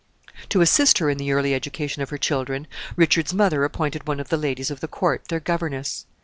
To assist her in the early education of her children, Richard's mother appointed one of the ladies of the court their governess.